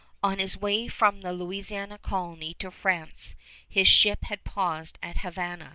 On his way from the Louisiana colony to France his ship had paused at Havana.